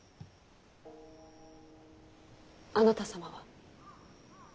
あなた様は？